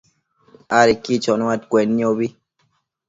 adequi chonuaccuenniobi